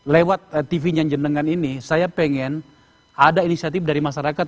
lewat tv nya jenengan ini saya pengen ada inisiatif dari masyarakat